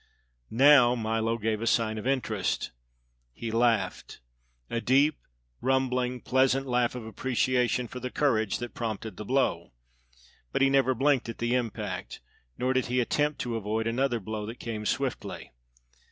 Now Milo gave sign of interest. He laughed: a deep, rumbling, pleasant laugh of appreciation for the courage that prompted the blow; but he never blinked at the impact, nor did he attempt to avoid another blow that came swiftly.